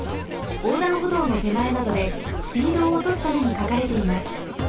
おうだんほどうのてまえなどでスピードをおとすためにかかれています。